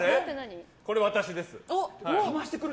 これ私です。